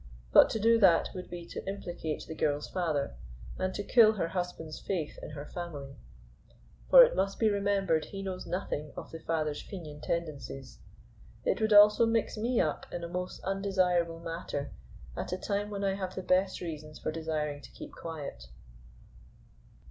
But to do that would be to implicate the girl's father, and to kill her husband's faith in her family; for it must be remembered he knows nothing of the father's Fenian tendencies. It would also mix me up in a most undesirable matter at a time when I have the best reasons for desiring to keep quiet.